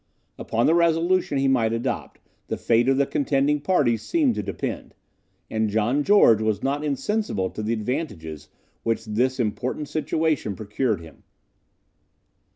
Upon the resolution he might adopt, the fate of the contending parties seemed to depend; and John George was not insensible to the advantages which this important situation procured him.